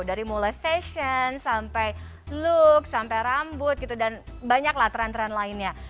dari mulai fashion sampai look sampai rambut gitu dan banyaklah tren tren lainnya